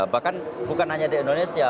bahkan bukan hanya di indonesia